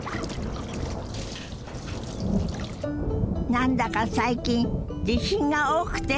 何だか最近地震が多くて。